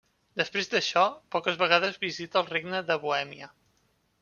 Després d'això, poques vegades visita el Regne de Bohèmia.